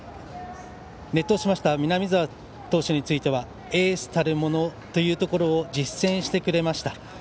熱投しました南澤投手につきましてはエースたるものというところを実践してくれました。